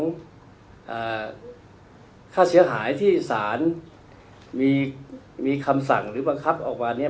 ผู้ปะชาธิข้าจะหายที่สารมีคำสั่งหรือบังคับออกมาเนี่ย